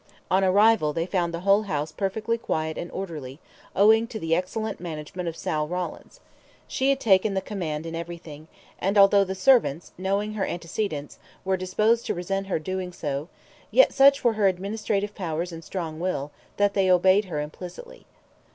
On arrival they found the whole house perfectly quiet and orderly, owing to the excellent management of Sal Rawlins. She had taken the command in everything, and although the servants, knowing her antecedents, were disposed to resent her doing so, yet such were her administrative powers and strong will, that they obeyed her implicitly.